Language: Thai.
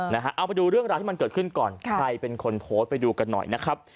เอาไปดูเรื่องราวที่มันเกิดขึ้นก่อนใครเป็นคนโพสต์ไปดูกันหน่อยนะครับ